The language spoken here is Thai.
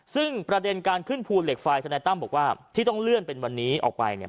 ซึ่งประเด็นการขึ้นภูเหล็กไฟธนายตั้มบอกว่าที่ต้องเลื่อนเป็นวันนี้ออกไปเนี่ย